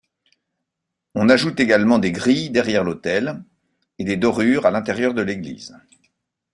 On ajoute également des grilles derrière l'autel et des dorures à l'intérieur de l'église.